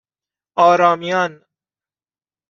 آرامیان